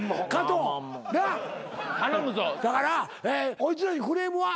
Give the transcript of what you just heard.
だからこいつらにクレームは？